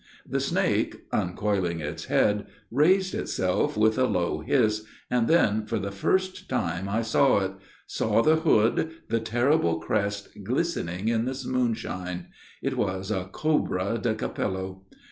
The snake, uncoiling its head, raised itself, with a low hiss, and then, for the first time, I saw it, saw the hood, the terrible crest glistening in the moonshine. It was a Cobra di Capello!